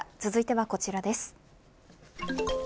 続いてはこちらです。